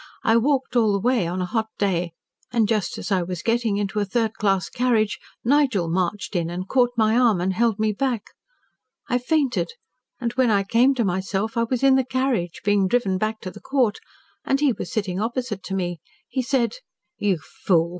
I walked all the way, on a hot day. And just as I was getting into a third class carriage, Nigel marched in and caught my arm, and held me back. I fainted and when I came to myself I was in the carriage, being driven back to the Court, and he was sitting opposite to me. He said, 'You fool!